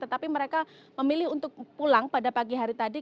tetapi mereka memilih untuk pulang pada pagi hari tadi